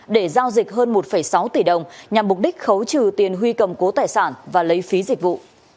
để giao dịch hơn một sáu tỷ đồng nhằm mục đích khấu trừ tiền huy cầm cố tài sản và lấy phí dịch vụ